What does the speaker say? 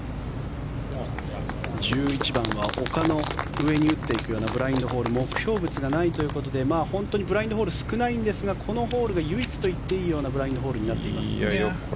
１１番は丘の上に打っていくようなブラインドホール目標物がないということで本当にブラインドホールは少ないんですがこのホールが唯一といっていいようなブラインドホールになっています。